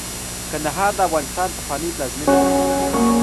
کندهار د افغانستان پخوانۍ پلازمېنه ده.